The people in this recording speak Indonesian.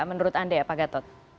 menurut anda ya pak gatot